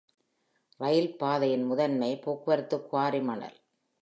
இரயில் பாதையின் முதன்மை போக்குவரத்து குவாரி மணல்.